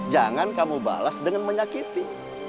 jangan kamu balas dengan menyakiti